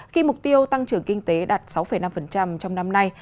khi mục tiêu tăng trưởng kinh tế đạt sáu năm trong năm nay